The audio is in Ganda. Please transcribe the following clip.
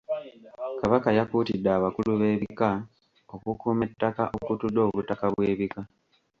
Kabaka yakuutidde abakulu b'ebika okukuuma ettaka okutudde obutaka bw'ebika.